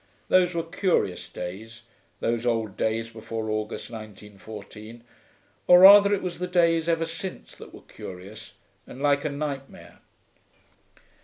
Those were curious days, those old days before August 1914; or rather it was the days ever since that were curious and like a nightmare.